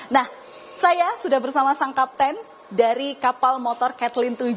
nah saya sudah bersama sang kapten dari kapal motor catlyn tujuh